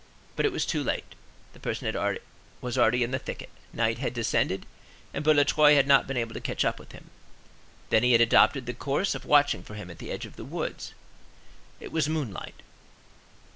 But it was too late; the person was already in the thicket, night had descended, and Boulatruelle had not been able to catch up with him. Then he had adopted the course of watching for him at the edge of the woods. "It was moonlight."